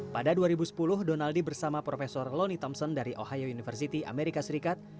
pada dua ribu sepuluh donaldi bersama prof loni thompson dari ohio university amerika serikat